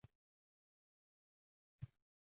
Shu bois Dilrabo